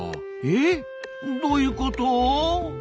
えどういうこと？